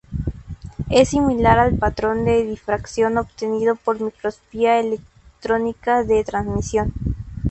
Es similar al patrón de difracción obtenido por microscopía electrónica de transmisión.